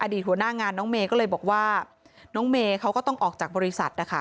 หัวหน้างานน้องเมย์ก็เลยบอกว่าน้องเมย์เขาก็ต้องออกจากบริษัทนะคะ